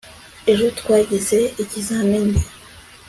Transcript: ejo twagize ikizamini